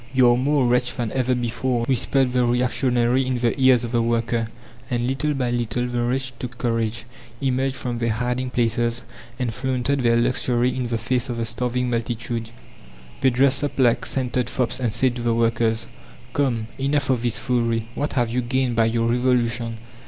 You are more wretched than ever before," whispered the reactionary in the ears of the worker. And little by little the rich took courage, emerged from their hiding places, and flaunted their luxury in the face of the starving multitude. They dressed up like scented fops and said to the workers: "Come, enough of this foolery! What have you gained by your Revolution?"